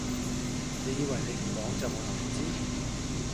你以為你唔講就冇人會知？